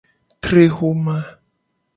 Tre xoma.